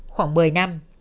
khoảng một mươi năm